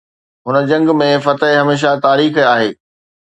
هن جنگ ۾ فتح هميشه تاريخ آهي.